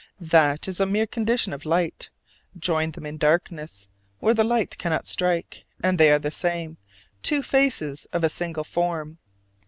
That is a mere condition of light: join them in darkness, where the light cannot strike, and they are the same two faces of a single form.